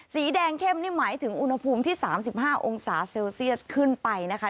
สีแดงเข้มนี่หมายถึงอุณหภูมิที่๓๕องศาเซลเซียสขึ้นไปนะคะ